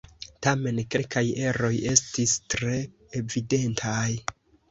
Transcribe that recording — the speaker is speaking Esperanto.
Tamen, kelkaj eroj estis tre evidentaj.